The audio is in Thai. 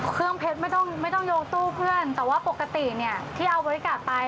เครื่องเพชรไม่ต้องยกตู้เพื่อนแต่ว่าปกติเนี่ยที่เอาบอดี้การ์ดไป